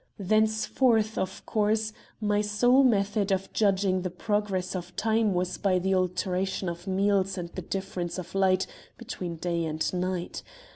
"Thenceforth, of course, my sole method of judging the progress of time was by the alternation of meals and the difference of light between day and night.